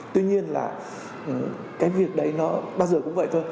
tuy nhiên là cái việc đấy nó bao giờ cũng vậy thôi